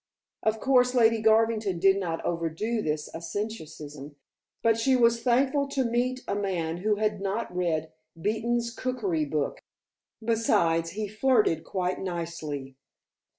Of course Lady Garvington did not overdo this asceticism, but she was thankful to meet a man who had not read Beeton's Cookery Book. Besides, he flirted quite nicely.